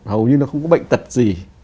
hầu như nó không có bệnh tật gì